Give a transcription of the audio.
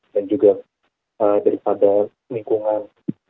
dan juga daripada lingkungan